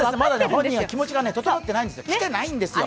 本人は気持ちが整ってないんですよ。